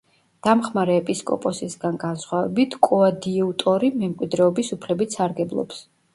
დამხმარე ეპისკოპოსისგან განსხვავებით, კოადიუტორი მემკვიდრეობის უფლებით სარგებლობს.